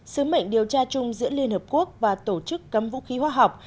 sứ mệnh điều tra chung giữa liên hợp quốc và tổ chức cấm vũ khí hóa học